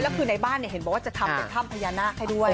แล้วคือในบ้านเห็นบอกว่าจะทำเป็นถ้ำพญานาคให้ด้วย